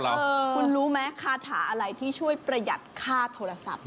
คุณรู้ไหมคาถาอะไรที่ช่วยประหยัดค่าโทรศัพท์